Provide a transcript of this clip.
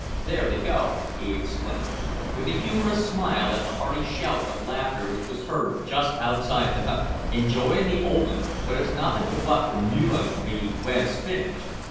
there they go," he exclaimed, with a humorous smile at a hearty shout of laughter which was heard just outside the hut, "enjoyin' the old 'un; but it's nothin' to wot the noo 'un'll be w'en it's finished."